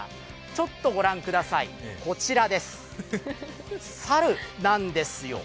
ちょっと御覧ください、こちらです猿なんですよ。